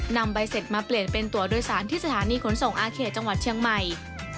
นำใบเสร็จมาเปลี่ยนเป็นตัวโดยสารที่สถานีขนส่งอาเขตจังหวัดเชียงใหม่